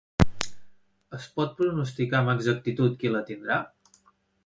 Es pot pronosticar amb exactitud qui la tindrà?